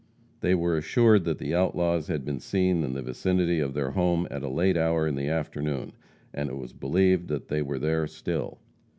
They were assured that the outlaws had been seen in the vicinity of their home at a late hour in the afternoon, and it was believed that they were there still.